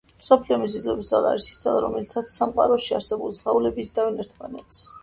მსოფლიო მიზიდულობის ძალა არის ის ძალა, რომლითაც სამყაროში არსებული სხეულები იზიდავენ ერთმანეთს.